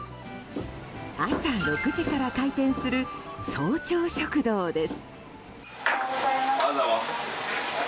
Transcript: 朝６時から開店する早朝食堂です。